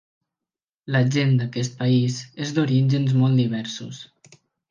La gent d'aquest país és d'orígens molt diversos.